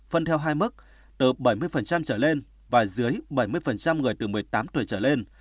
phân theo hai mức từ bảy mươi trở lên và dưới bảy mươi người từ một mươi tám tuổi trở lên